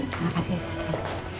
terima kasih suster